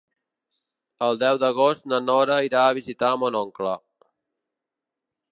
El deu d'agost na Nora irà a visitar mon oncle.